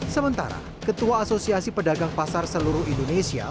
sementara ketua asosiasi pedagang pasar seluruh indonesia